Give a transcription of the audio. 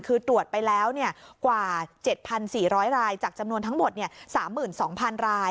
คือตรวจไปแล้วกว่า๗๔๐๐รายจากจำนวนทั้งหมด๓๒๐๐๐ราย